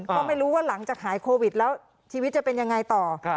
ก็ไม่รู้ว่าหลังจากหายโควิดแล้วชีวิตจะเป็นยังไงต่อ